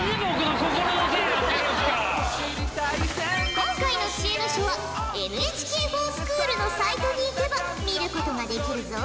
今回の知恵の書はＮＨＫｆｏｒＳｃｈｏｏｌのサイトにいけば見ることができるぞ。